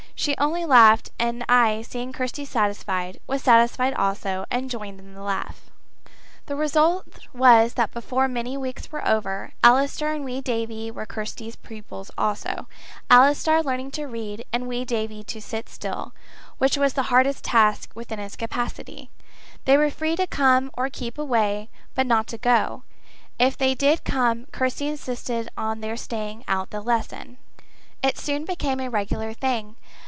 She only laughed, and I, seeing Kirsty satisfied, was satisfied also, and joined in the laugh. The result was that before many weeks were over, Allister and wee Davie were Kirsty's pupils also, Allister learning to read, and wee Davie to sit still, which was the hardest task within his capacity. They were free to come or keep away, but not to go: if they did come, Kirsty insisted on their staying out the lesson. It soon became a regular thing.